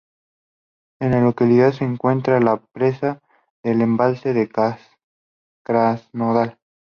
En la localidad se encuentra la presa del embalse de Krasnodar.